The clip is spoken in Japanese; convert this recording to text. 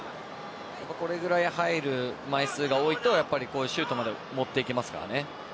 これくらい入る枚数が多いとシュートまで持っていけますから。